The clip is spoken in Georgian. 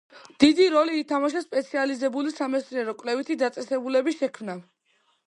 დიდი როლი ითამაშა სპეციალიზებული სამეცნიერო-კვლევითი დაწესებულების შექმნამ.